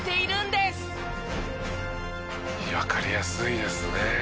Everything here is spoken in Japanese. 「わかりやすいですね」